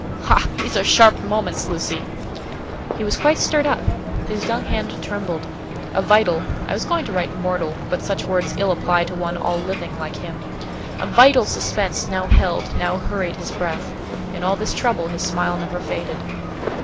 "Ha! These are sharp moments, Lucy!" He was quite stirred up; his young hand trembled; a vital (I was going to write mortal, but such words ill apply to one all living like him)—a vital suspense now held, now hurried, his breath: in all this trouble his smile never faded.